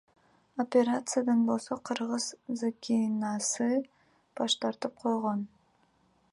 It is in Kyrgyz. Операциядан болсо кыргыз Зыкинасы баш тартып койгон.